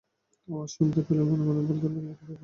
আওয়াজ শুনতে পেলেন এবং মনে মনে বলতে লাগলেন, একি ব্যাপার?